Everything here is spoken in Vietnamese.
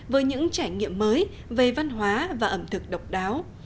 với những trải nghiệm mới về văn hóa và ẩm thực độc đáo